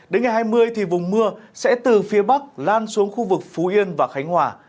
đến ngày hai mươi thì vùng mưa sẽ từ phía bắc lan xuống khu vực phú yên và khánh hòa